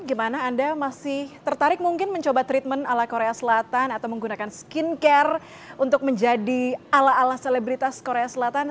gimana anda masih tertarik mungkin mencoba treatment ala korea selatan atau menggunakan skincare untuk menjadi ala ala selebritas korea selatan